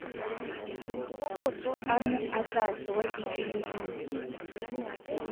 Mabokoso ano a tla tsewa beke le beke.